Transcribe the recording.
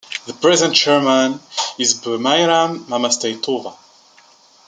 The present chairman is Bumairam Mamaseitova.